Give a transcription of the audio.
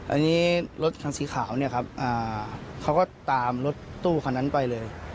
อันนี้รถคันสีขาวเนี่ยครับเขาก็ตามรถตู้คันนั้นไปเลย